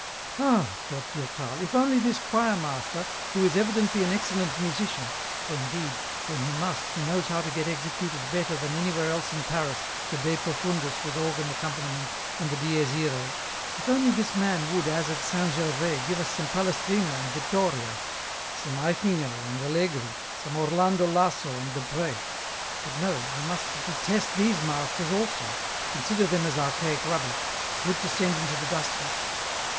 265 " All," thought Durtal, " if only this choirmaster, who is evidently an excellent musician ; for indeed, when he must, he knows how to get executed better than anywhere else in Paris, the ' De Profundis ' with organ accompaniment, and the ' Dies Irae '; if only this man would as at St. Gervais give us some Palestrina and Vittoria, some Aichinger and Allegri, some Orlando Lasso and De Pres ; but no, he must detest these masters also, consider them as archaic rubbish, good to send into the dust heaps."